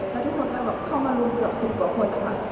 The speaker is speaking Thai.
แล้วทุกคนก็เข้ามารุนเกือบสุดกว่าผ่นค่ะ